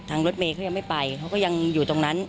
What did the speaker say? รถเมย์เขายังไม่ไปเขาก็ยังอยู่ตรงนั้น